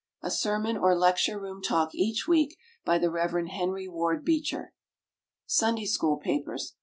A Sermon or Lecture Room Talk each week, by the Rev. HENRY WARD BEECHER. SUNDAY SCHOOL PAPERS.